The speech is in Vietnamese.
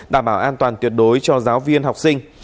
đảm bảo an toàn tuyệt đối cho giáo viên học sinh